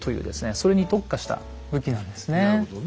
それに特化した武器なんですね。